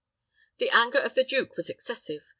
The anger of the duke was excessive.